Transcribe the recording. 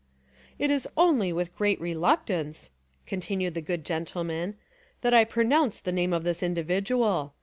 "It Is only with great reluctance," continued the good gentleman, "that I pronounce the name of this individual.